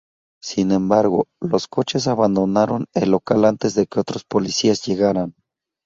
Sin embargo, los coches abandonaron el local antes de que otros policías llegaran.